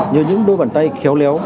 nhờ những đôi bàn tay khéo léo